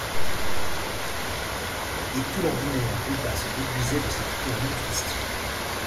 Et tout l'ordinaire débat se déduisait de cette éternelle question.